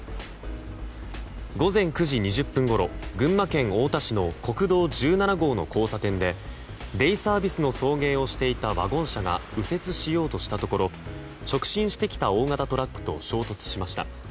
午前９時２０分ごろ群馬県太田市の国道１７号の交差点でデイサービスの送迎をしていたワゴン車が右折しようとしたところ直進してきた大型トラックと衝突しました。